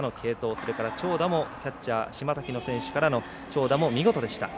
それから長打もキャッチャー島瀧選手からの長打も見事でした。